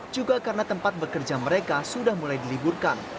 juga karena tempat bekerja mereka sudah mulai diliburkan